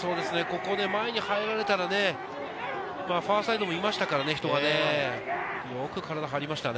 ここで前に入られたらね、ファーサイドもいましたから、人はね。